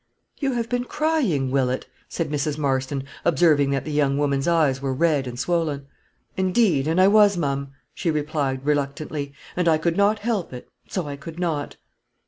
"You have been crying, Willett," said Mrs. Marston, observing that the young woman's eyes were red and swollen. "Indeed, and I was, ma'am," she replied, reluctantly, "and I could not help it, so I could not."